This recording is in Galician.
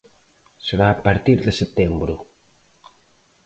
Será a partir de setembro.